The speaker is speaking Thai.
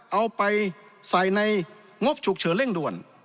เอาไปใส่ในงบฉุกเฉินเร่งด่วน